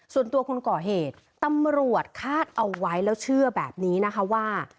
ส่วนตัวคนก่อเหตุตำรวจคาดเอาไว้แล้วเชื่อแบบนี้นะคะว่า